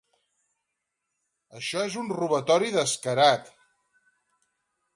Això és un robatori descarat.